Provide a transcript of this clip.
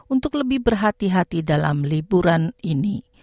untuk lebih berhati hati dalam liburan ini